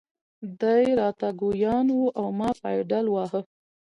دی را ته ګویان و او ما پایډل واهه.